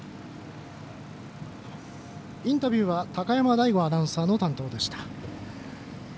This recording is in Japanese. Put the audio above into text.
インタビューは高山大吾アナウンサーの担当でした。